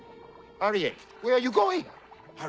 アリエル